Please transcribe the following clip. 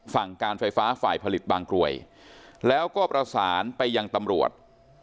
การไฟฟ้าฝ่ายผลิตบางกรวยแล้วก็ประสานไปยังตำรวจ